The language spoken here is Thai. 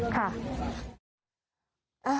ค่ะ